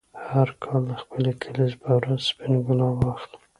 هر کال د خپلې کلیزې په ورځ سپین ګلاب واخلې.